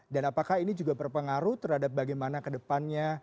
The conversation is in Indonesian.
dan apakah ini juga berpengaruh terhadap bagaimana ke depannya